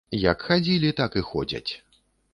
Як хадзілі, так і ходзяць.